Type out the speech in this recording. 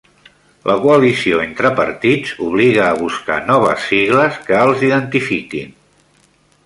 La coalició entre partits obliga a buscar noves sigles que els identifiquin